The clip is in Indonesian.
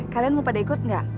kalian mau pada ikut nggak